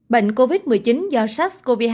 bệnh covid một mươi chín do sars cov hai